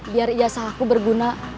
biar ijasa aku berguna